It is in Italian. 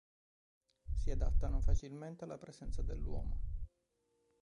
Si adattano facilmente alla presenza dell'uomo.